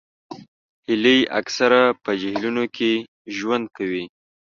هیلۍ اکثره په جهیلونو کې ژوند کوي